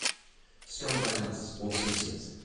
Strong violence is also censored.